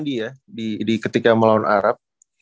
jadi ya di ketika melawan arab